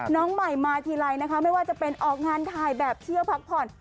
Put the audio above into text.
น้องใหม่มาทีไรนะคะไม่ว่าจะเป็นออกงานถ่ายแบบเที่ยวพักผ่อน